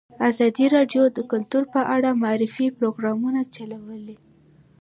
ازادي راډیو د کلتور په اړه د معارفې پروګرامونه چلولي.